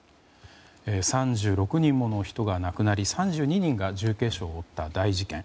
３６人もの人が亡くなり３２人が重軽傷を負った大事件。